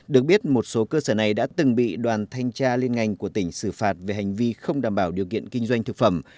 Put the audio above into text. được biết một số cơ sở này đã từng bị đoàn thanh tra liên ngành của tỉnh xử phạt về hành vi không đảm bảo điều kiện kinh doanh thực phẩm